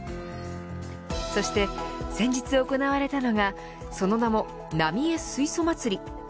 そして先日行われたのがその名もなみえ水素まつり。